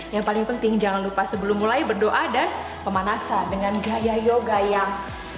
yang paling penting jangan lupa sebelum mulai berdoa dan pemanasan dengan gaya yoga yang